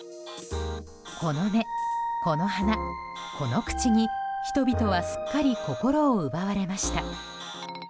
この目、この鼻、この口に人々はすっかり心を奪われました。